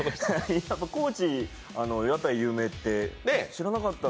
高知、屋台有名って知らなかったので。